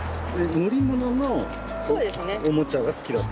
乗り物のおもちゃが好きだった？